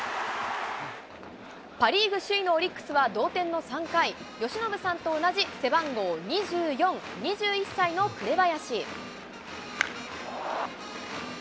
パ・リーグ首位のオリックスは同点の３回、由伸さんと同じ背番号２４、２１歳の紅林。